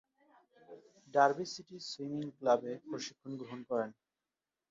Derby City swimming ক্লাবে প্রশিক্ষণ গ্রহণ করেন।